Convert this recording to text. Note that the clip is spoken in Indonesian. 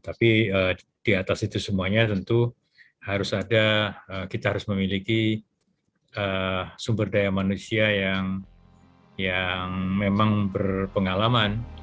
tapi di atas itu semuanya tentu harus ada kita harus memiliki sumber daya manusia yang memang berpengalaman